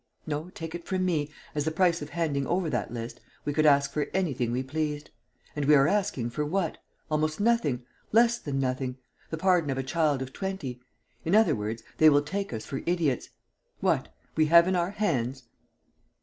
No, take it from me, as the price of handing over that list, we could ask for anything we pleased. And we are asking for what? Almost nothing ... less than nothing ... the pardon of a child of twenty. In other words, they will take us for idiots. What! We have in our hands...."